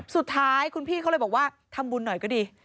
สุดท้ายคุณพี่เขาเลยบอกว่าทำบุญหน่อยก็ดี